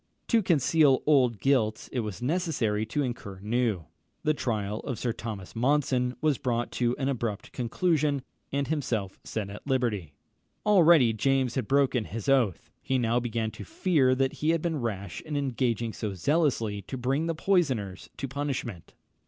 To conceal old guilt it was necessary to incur new: the trial of Sir Thomas Monson was brought to an abrupt conclusion, and himself set at liberty. Already James had broken his oath. He now began to fear that he had been rash in engaging so zealously to bring the poisoners to punishment.